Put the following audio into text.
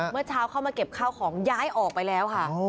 เมื่อเช้าเข้ามาเก็บข้าวของย้ายออกไปแล้วค่ะ